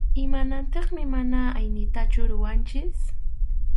Imanaptinmi mana aynitachu ruranchik.